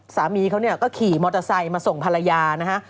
สามีเขาก็ขี่มอเตอร์ไซค์มาส่งภรรยานะฮะ